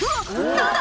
何だ